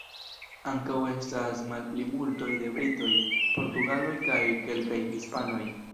Ankaŭ estas malplimultoj de britoj, portugaloj kaj kelkaj hispanoj.